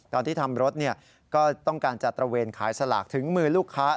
ตอนที่ทำรถก็ต้องการจัดตระเวนขายสลากถึงมือลูกค้า